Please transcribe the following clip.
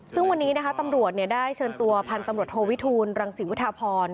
ซึ่งวันนี้นะคะตำรวจได้เชิญตัวพันธุ์ตำรวจโทวิทูลรังศรีวุฒาพร